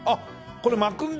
これ巻くんだ！